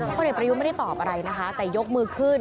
เด็กประยุทธ์ไม่ได้ตอบอะไรนะคะแต่ยกมือขึ้น